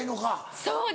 そうですね！